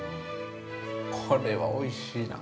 これはおいしいな。